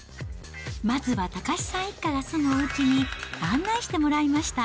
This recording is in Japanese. まずは岳さん一家が住むおうちに案内してもらいました。